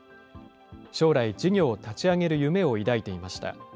将来、事業を立ち上げる夢を抱いていました。